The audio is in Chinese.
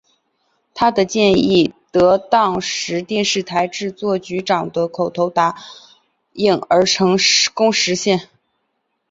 他的建议获得当时电视台的制作局长的口头答应而成功实现。